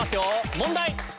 問題！